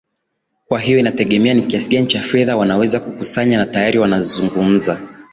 kwa hiyo inategemea ni kiasi gani cha fedha wanaweza kukusanya na tayari wanazungumza